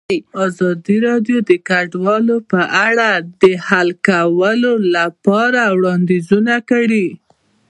ازادي راډیو د کډوال په اړه د حل کولو لپاره وړاندیزونه کړي.